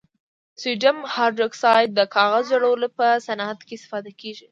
سوډیم هایدروکسایډ د کاغذ جوړولو په صنعت کې استفاده کیږي.